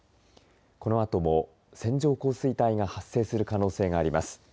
このあとも線状降水帯が発生する可能性があります。